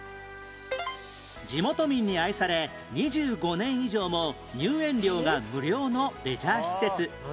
地元民に愛され２５年以上も入園料が無料のレジャー施設